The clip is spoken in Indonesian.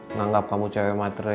nganggap kamu cewek materi